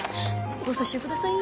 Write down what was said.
ご査収ください。